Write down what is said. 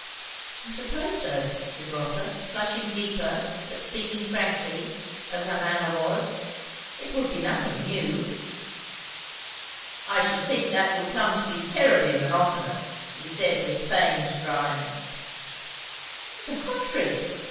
"I suppose so," said Rotha, flushing deeper but speaking frankly, as her manner was. "It would be nothing new." "I should think that would come to be terribly monotonous!" he said with feigned dryness. "On the contrary!"